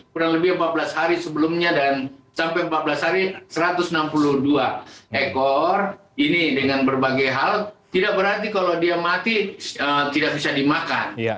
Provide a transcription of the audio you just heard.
kurang lebih empat belas hari sebelumnya dan sampai empat belas hari satu ratus enam puluh dua ekor ini dengan berbagai hal tidak berarti kalau dia mati tidak bisa dimakan